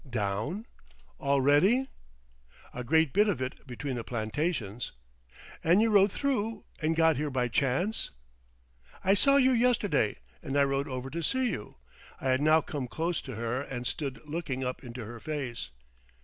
"Down? Already?" "A great bit of it between the plantations." "And you rode through, and got here by chance?" "I saw you yesterday. And I rode over to see you." I had now come close to her, and stood looking up into her face.